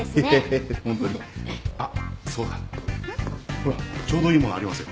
ほらちょうどいいものありますよ。